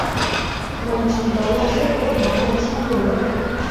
Bằng chứng đó là shop quần áo mà trinhmở ra